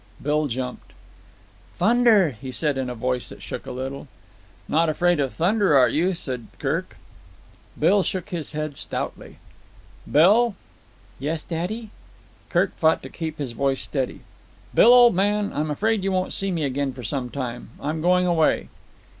Bill jumped. "Funder," he said in a voice that shook a little. "Not afraid of thunder, are you?" said Kirk. Bill shook his head stoutly. "Bill." "Yes, daddy?" Kirk fought to keep his voice steady. "Bill, old man, I'm afraid you won't see me again for some time. I'm going away."